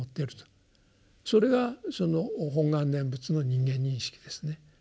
それがその本願念仏の人間認識ですね。